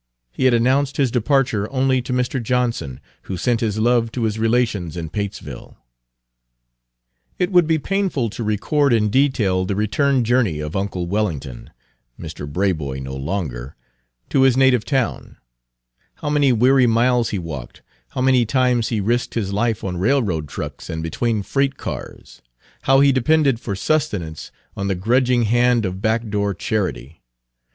He had announced his departure only to Mr. Johnson, who sent his love to his relations in Patesville. It would be painful to record in detail the return journey of uncle Wellington Mr. Braboy no longer to his native town; how many weary miles he walked; how many times he risked his life on railroad trucks and between freight cars; how he depended for sustenance on the grudging hand of backdoor charity.